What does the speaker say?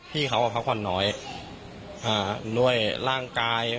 พี่เขาพักผ่อนน้อยด้วยร่างกาย